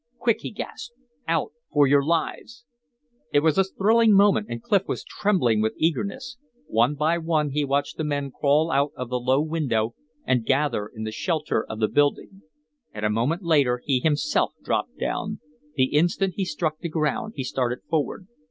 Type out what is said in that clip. "Quick!" he gasped. "Out, for your lives!" It was a thrilling moment, and Clif was trembling with eagerness. One by one he watched the men crawl out of the low window and gather in the shelter of the building. And a moment later he himself dropped down; the instant he struck the ground he started forward.